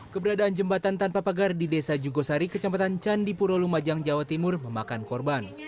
keberadaan jembatan tanpa pagar di desa jugosari kecamatan candipuro lumajang jawa timur memakan korban